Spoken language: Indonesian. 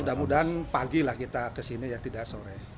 mudah mudahan pagi lah kita kesini ya tidak sore